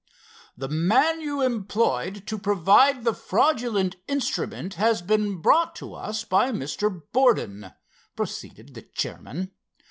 "The man you employed to provide the fraudulent instrument has been brought to us by Mr. Borden," proceeded the chairman.